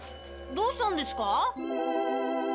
どうしたんですか？